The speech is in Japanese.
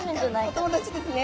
お友達ですね。